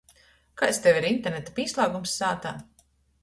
Kaids tev ir interneta pīslāgums sātā?